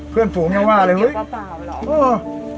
เพื่อนผูงยังว่าเลยไม่มีแบบนี้ก็เปล่าหรอ